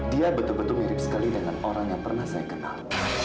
dia betul betul mirip sekali dengan orang yang pernah saya kenal